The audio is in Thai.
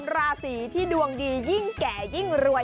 ราศีที่ดวงดียิ่งแก่ยิ่งรวย